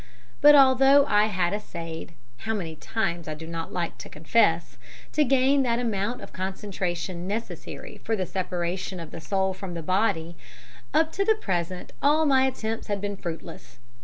But although I had essayed how many times I do not like to confess to gain that amount of concentration necessary for the separation of the soul from the body, up to the present all my attempts had been fruitless.